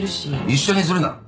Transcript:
一緒にするな！